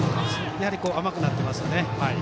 やはり甘くなっていますね。